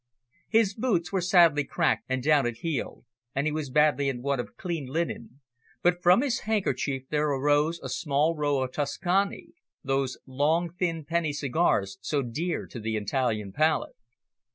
His boots were sadly cracked and down at heel, and he was badly in want of clean linen, but from his handkerchief pocket there arose a small row of "toscani," those long, thin, penny cigars so dear to the Italian palate.